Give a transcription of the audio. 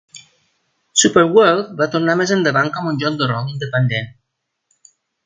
"Superworld" va tornar més endavant com un joc de rol independent.